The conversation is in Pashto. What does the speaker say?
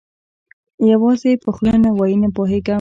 یوازې یې په خوله نه وایي، نه پوهېږم.